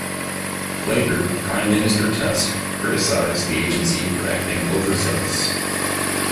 Later, Prime Minister Tusk criticized the agency for acting overzealous.